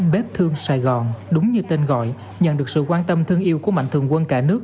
bếp thương sài gòn đúng như tên gọi nhận được sự quan tâm thân yêu của mạnh thường quân cả nước